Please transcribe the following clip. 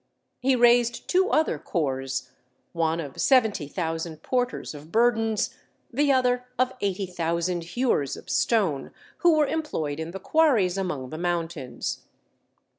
He raised two other corps, one of seventy thousand porters of burdens, the other of eighty thousand hewers of stone, who were employed in the quarries among the mountains.